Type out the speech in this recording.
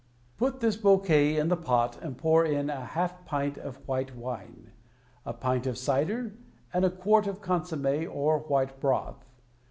Put this bouquet in the pot and pour in a half pint of white wine, a pint of cider and a quart of consomme or white broth.